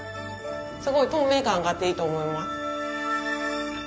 すごい透明感があっていいと思います。